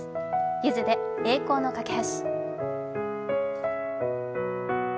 ゆずで「栄光の架橋」。